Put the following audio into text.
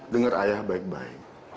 dengar ayah baik baik